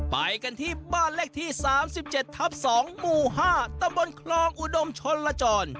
ไปกันที่บ้านเลขที่๓๗ทับ๒หมู่๕ตำบลคลองอุดมชนลจร